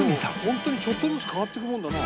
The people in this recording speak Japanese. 本当にちょっとずつ変わっていくもんだな。